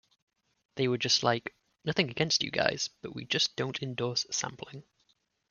They were just like, 'Nothing against you guys, but we just don't endorse sampling.